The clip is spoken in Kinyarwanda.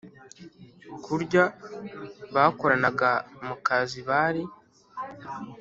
kurya bakoranaga mukazi bari